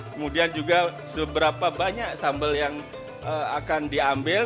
kemudian juga seberapa banyak sambal yang akan diambil